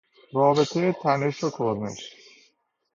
رابطه تنش-کرنش